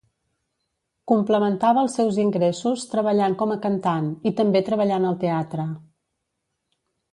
Complementava els seus ingressos treballant com a cantant, i també treballant al teatre.